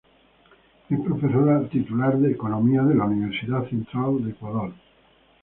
Es profesora titular de economía de la Universidad Central de Ecuador.